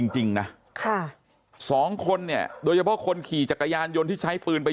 จริงนะค่ะสองคนเนี่ยโดยเฉพาะคนขี่จักรยานยนต์ที่ใช้ปืนไป